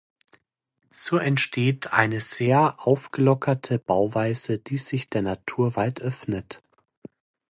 So entsteht eine sehr aufgelockerte Bauweise, die sich der Natur weit öffnet.